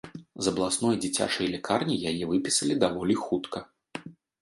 З абласной дзіцячай лякарні яе выпісалі даволі хутка.